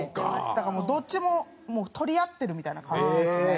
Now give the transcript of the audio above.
だからもうどっちももう取り合ってるみたいな感じですね。